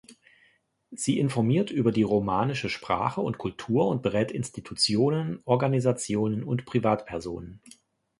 Sie informiert über die romanische Sprache und Kultur und berät Institutionen, Organisationen und Privatpersonen.